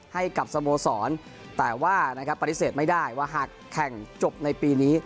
ให้กับสโมสรแต่ว่านะครับปฏิเสธไม่ได้ว่าหากแข่งจบในปีนี้